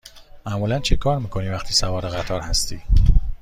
معمولا چکار می کنی وقتی سوار قطار هستی؟